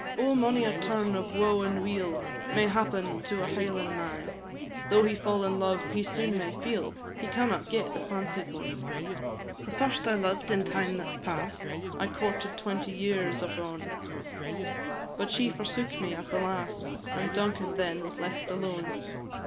Oh! mony a turn of woe and weal May happen to a Highlan' man; Though he fall in love he soon may feel He cannot get the fancied one; The first I loved in time that 's past, I courted twenty years, ochone! But she forsook me at the last, And Duncan then was left alone.